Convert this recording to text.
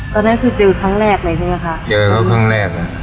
ตอนนั้นคือเจอทั้งแรกไหมใช่ไหมคะเจอเขาทั้งแรกอ่ะ